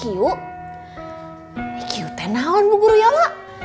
iq sepuluh tahun bu guru ya pak